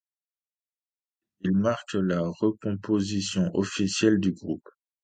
Il marque la recomposition officielle du groupe.